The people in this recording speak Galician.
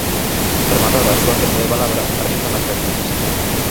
Rematada a súa quenda de palabra, arrincan as réplicas.